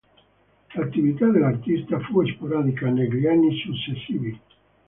L'attività dell'artista fu sporadica negli anni successivi.